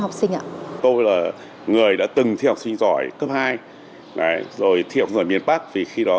học sinh ạ tôi là người đã từng thi học sinh giỏi cấp hai rồi thi học ở miền bắc vì khi đó